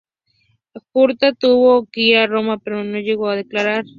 Jugurta tuvo que ir a Roma, pero no llegó a declarar.